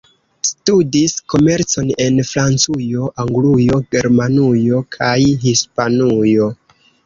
Studis komercon en Francujo, Anglujo, Germanujo kaj Hispanujo.